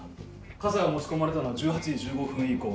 傘が持ち込まれたのは１８時１５分以降。